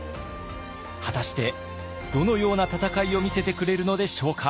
果たしてどのような戦いを見せてくれるのでしょうか？